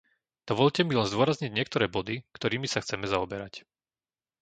Dovoľte mi len zdôrazniť niektoré body, ktorými sa chceme zaoberať.